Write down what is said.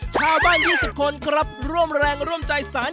ชาวบ้าน๒๐คนครับร่วมแรงร่วมใจสาร